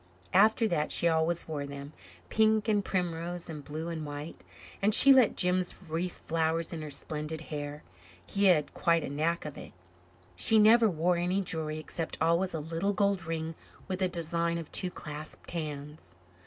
After that she always wore them pink and primrose and blue and white; and she let Jims wreathe flowers in her splendid hair. He had quite a knack of it. She never wore any jewelry except, always, a little gold ring with a design of two clasped hands.